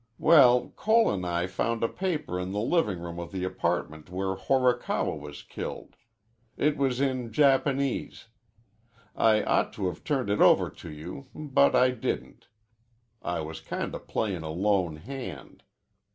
Well, Cole an' I found a paper in the living room of the apartment where Horikawa was killed. It was in Japanese. I ought to have turned it over to you, but I didn't. I was kinda playin' a lone hand.